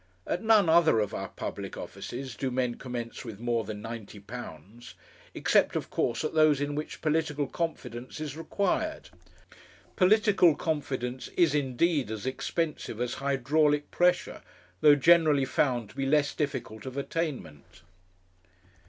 At none other of our public offices do men commence with more than £90 except, of course, at those in which political confidence is required. Political confidence is indeed as expensive as hydraulic pressure, though generally found to be less difficult of attainment.